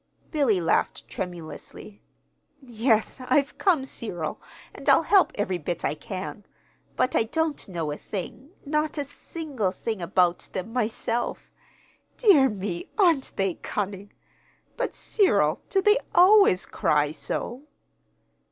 Billy laughed tremulously. "Yes, I've come, Cyril, and I'll help every bit I can; but I don't know a thing not a single thing about them myself. Dear me, aren't they cunning? But, Cyril, do they always cry so?"